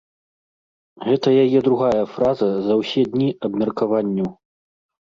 Гэта яе другая фраза за ўсе дні абмеркаванняў.